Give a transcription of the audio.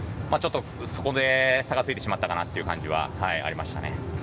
そこで、差がついてしまったかなという感じはありました。